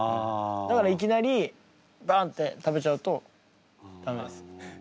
だからいきなりバンって食べちゃうとダメなんです。